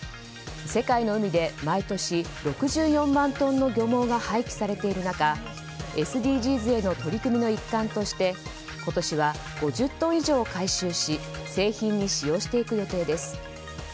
世界の海で毎年６４万トンの漁網が廃棄されている中、ＳＤＧｓへの取り組みの一環として今年は５０トン以上を回収し製品に使用していく予定です。